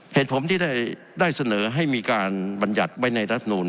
เหตุผลที่ได้เสนอให้มีการบรรยัติไว้ในรัฐนูล